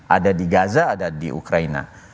ada di gaza ada di ukraina